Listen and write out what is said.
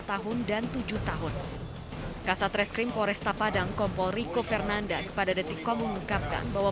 tahun dan tujuh tahun kasa treskrim poresta padang kompol rico fernanda kepada detik komunikkan bahwa